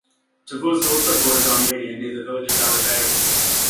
Tovuz also borders Armenia near the village of Alibeyli.